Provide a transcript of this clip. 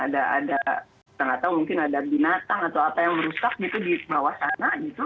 ada kita nggak tahu mungkin ada binatang atau apa yang rusak gitu di bawah sana gitu